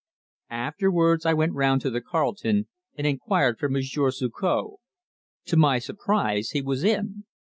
Afterwards I went round to the Carlton and inquired for Monsieur Suzor. To my surprise he was in.